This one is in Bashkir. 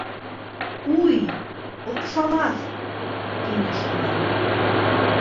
- Ҡуй, оҡшамаҫ, тине шунан.